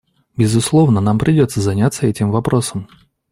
Безусловно, нам придется заняться этим вопросом.